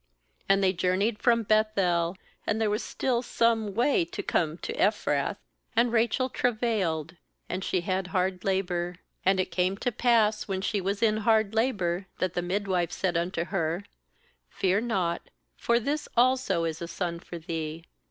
16And they journeyed from Beth el; and there was still some way to come to Ephrath; and Rachel travailed, and she had hard labour. 17And it came to pass, when she was in hard labour, that the midwife said unto her: ' Fear not; for this also is a son for thee.'